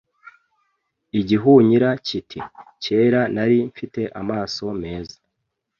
Igihunyira kiti kera nari mfite amaso meza